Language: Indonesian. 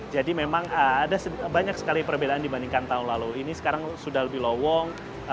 jadi memang ada banyak sekali perbedaan dibandingkan tahun lalu ini sekarang sudah lebih lowong